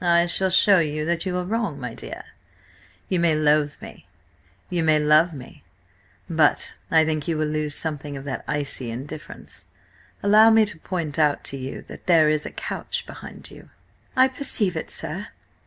I shall show you that you are wrong, my dear. You may loathe me, you may love me, but I think you will lose something of that icy indifference. Allow me to point out to you that there is a couch behind you." "I perceive it, sir."